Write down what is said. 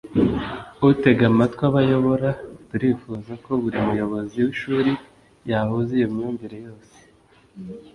utega amatwi abo ayobora; turifuza ko buri muyobozi w’ishuri yahuza iyo myumvire yose